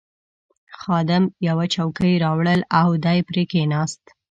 خادم یوه چوکۍ راوړل او دی پرې کښېناست.